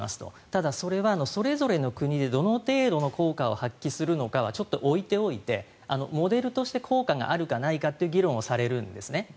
ただ、それはそれぞれの国でどの程度の効果を発揮するかはちょっと置いておいてモデルとして効果があるかないかっていう議論をされるんですね。